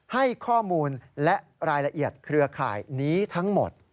ให้ข้อมูลและรายละเอียดเครือข่ายนี้ทั้งหมด